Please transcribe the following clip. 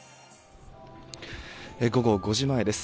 午後５時前です。